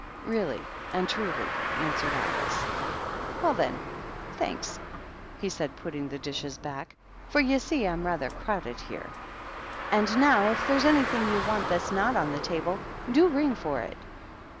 " Really and truly," answered Alice. "Well, then, — thanks," he said, putting th dishes hack, " for you see I'm rather crowde THE TWEEDLES. 287 here. And now, if there's anything you want that's Tiot on the table, do ring for it."